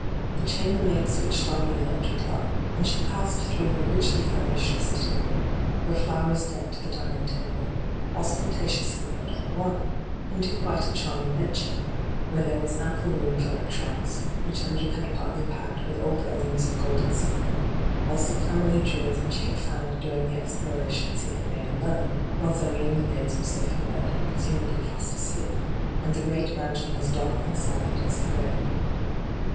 The chamber maid switched on the electric light, and she passed through a richly furnished sitting room, where flowers decked the dining table — osten tatiously laid for one — into quite a charming bedchamber, where there was ample room for her trunks, which Andrew had partly packed with old heirlooms of gold and silver, also family jewels which he had found during the explorations he had made alone, while Zoe and the maids were safe in bed and presumably fast asleep, and the great mansion was dark and silent as the grave.